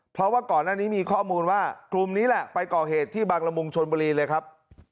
เพราะว่าก่อนหน้านี้มีข้อมูลว่ากลุ่มนี้แหละไปก่อเหตุที่บังละมุงชนบุรีเลยครับ